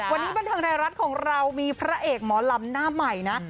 วันนี้บันเทิงไทยรัฐของเรามีพระเอกหมอลำหน้าใหม่นะ